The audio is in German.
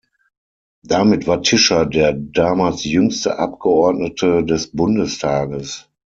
Damit war Tischer der damals jüngste Abgeordnete des Bundestages.